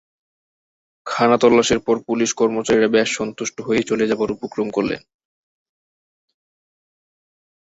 খানাতল্লাশির পর পুলিশ কর্মচারীরা বেশ সন্তুষ্ট হয়েই চলে যাবার উপক্রম করলেন।